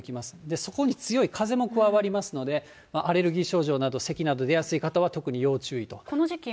そこに強い風も加わりますので、アレルギー症状など、せきなど出やすい方は特に要注意と。